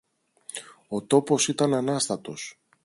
Ο τόπος ήταν ανάστατος.